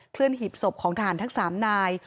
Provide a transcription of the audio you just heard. เคลื่อนหิบศพของทหารทั้ง๓นาย